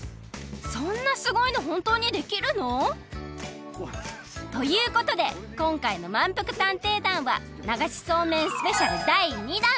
そんなすごいのほんとうにできるの？ということでこんかいのまんぷく探偵団は流しそうめんスペシャルだい２だん！